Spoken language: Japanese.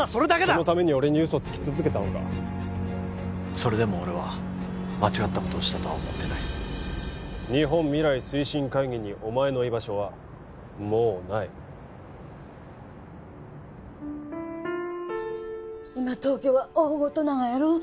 そのために俺に嘘つき続けたのかそれでも俺は間違ったことをしたとは思ってない日本未来推進会議にお前の居場所はもうない今東京は大ごとながやろ？